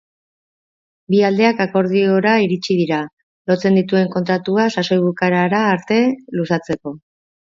Bi aldeak akordiora iritsi dira, lotzen dituen kontratua sasoi bukaerara arte luzatzeko.